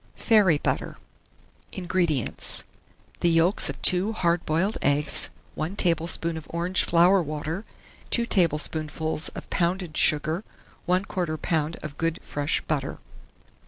FAIRY BUTTER. 1636. INGREDIENTS. The yolks of 2 hard boiled eggs, 1 tablespoonful of orange flower water, 2 tablespoonfuls of pounded sugar, 1/4 lb. of good fresh butter.